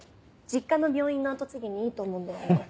実家の病院の跡継ぎにいいと思うんだよね。